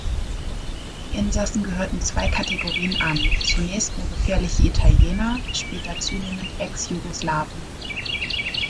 Die Insassen gehörten zwei Kategorien an: zunächst nur „gefährliche Italiener“, später zunehmend „Ex-Jugoslawen“.